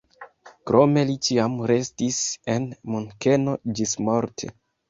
Krome li ĉiam restis en Munkeno ĝismorte.